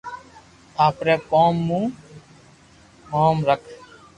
آپري ڪوم مون موم رک